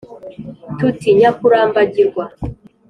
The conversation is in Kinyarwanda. tuti :« nyakurambagirwa »,